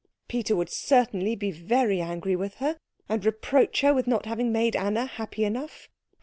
Peter would certainly be very angry with her, and reproach her with not having made Anna happy enough.